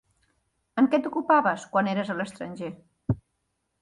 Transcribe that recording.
En què t'ocupaves, quan eres a l'estranger?